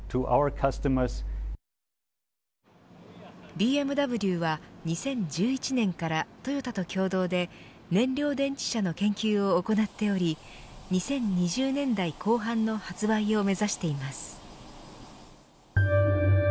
ＢＭＷは２０１１年からトヨタと共同で燃料電池車の研究を行っており２０２０年代後半の発売を目指しています。